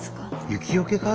雪よけか？